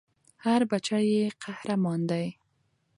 هر بــچی ېي قـــهــــــــرمان دی